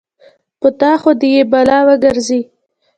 په تا خو دې يې بلا وګرځې.